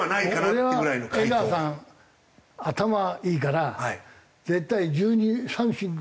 俺は江川さん頭いいから絶対１２三振ぐらい。